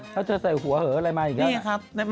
แล้วเธอใส่หัวเหออะไรมาอีกแล้ว